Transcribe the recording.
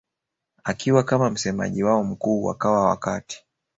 akiwa kama msemaji wao mkuu wakawa wakati